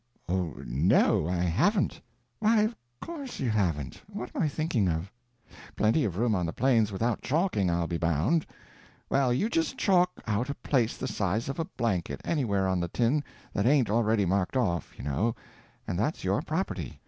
"Oh, no, I haven't." "Why, of course you haven't—what am I thinking of? Plenty of room on the Plains without chalking, I'll be bound. Well, you just chalk out a place the size of a blanket anywhere on the tin that ain't already marked off, you know, and that's your property.